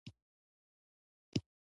او کلتور په حقله تبصره کوو.